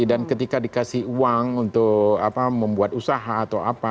dan ketika dikasih uang untuk membuat usaha atau apa